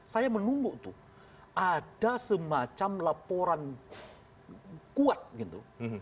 saya menunggu tuh ada semacam laporan kuat gitu